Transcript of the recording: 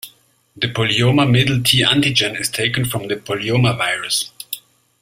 The polyoma middle T-antigen is taken from the polyoma virus.